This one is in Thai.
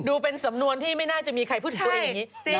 ดูเป็นสำนวนที่ไม่น่าจะมีใครพูดถึงตัวเองอย่างนี้